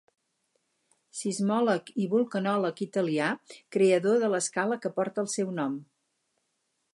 Sismòleg i vulcanòleg italià, creador de l'escala que porta el seu nom.